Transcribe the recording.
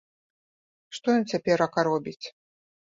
Што ён цяперака робіць?